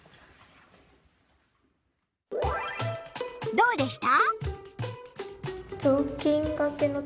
どうでした？